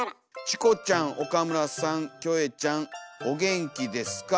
「チコちゃんおかむらさんキョエちゃんおげんきですか？」。